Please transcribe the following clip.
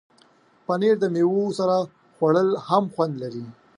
پنېر د میوو سره خوړل هم خوند لري.